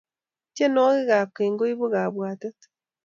tienwokik ap keny koibu kapwatet